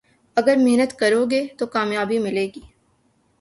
اگر محنت کرو گے تو کامیابی ملے گی